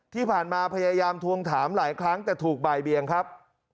พยายามทวงถามหลายครั้งแต่ถูกบ่ายเบียงครับ